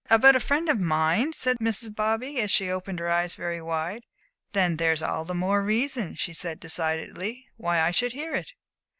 "About a friend of mine?" said Mrs. Bobby, and she opened her eyes very wide. "Then there's all the more reason," she said, decidedly, "why I should hear it."